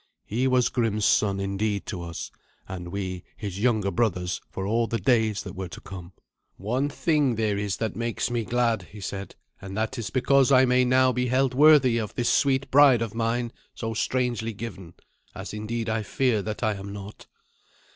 He was Grim's son indeed to us, and we his younger brothers for all the days that were to come. "One thing there is that makes me glad," he said, "and that is because I may now be held worthy of this sweet bride of mine so strangely given, as indeed I fear that I am not.